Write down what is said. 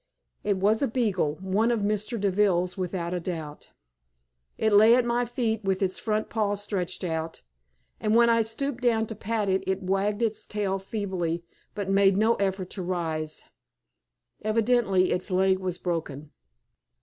It was a beagle one of Mr. Deville's without a doubt. It lay at my feet with its front paw stretched out, and when I stooped down to pat it, it wagged its tail feebly, but made no effort to rise. Evidently its leg was broken.